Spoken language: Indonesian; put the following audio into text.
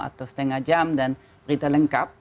atau setengah jam dan berita lengkap